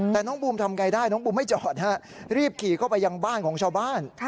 แต่น้องบูมทำไงได้น้องบูมไม่จอดฮะรีบขี่เข้าไปยังบ้านของชาวบ้าน